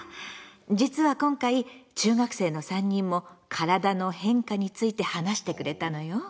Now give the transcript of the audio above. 実は今回中学生の３人も体の変化について話してくれたのよ。